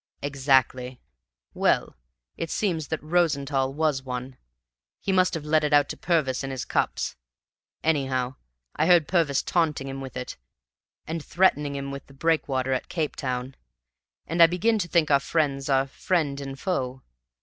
"Exactly. Well, it seems that Rosenthall was one. He must have let it out to Purvis in his cups. Anyhow, I heard Purvis taunting him with it, and threatening him with the breakwater at Capetown; and I begin to think our friends are friend and foe.